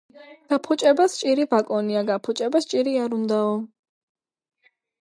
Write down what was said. გაფუჭებას ჭირი ვაკონია."გაფუჭებას ჭირი არ უნდაო.